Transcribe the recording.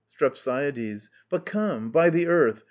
STREPSIADES. But by the Earth!